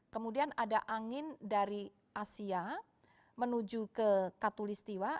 kemudian ada angin dari asia menuju ke katulistiwa